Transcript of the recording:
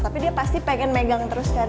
tapi dia pasti pengen megang terus kan